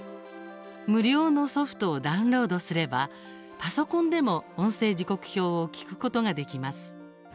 無料のソフトをダウンロードすればパソコンでも音声時刻表を聞くことができます。